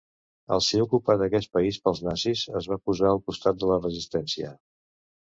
Al ser ocupat aquest país pels nazis, es va posar al costat de la Resistència.